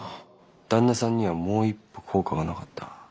旦那さんにはもう一歩効果がなかった。